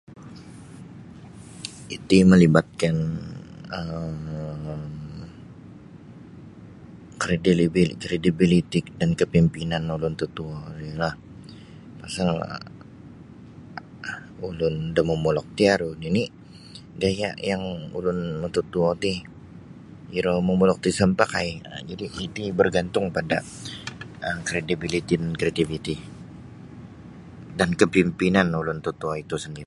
Iti melibatkan um kredilibi kredibiliti dan kepimpinan ulu totuo ri ro pasal ulun da momulok ti aru nini gaya ulun mututuo ti iro mamulok ti isa mampakai iti bergantung kredibiliti dan kreativiti dan kepimpinan ulun tutuo itu sendiri.